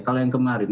kalau yang kemarin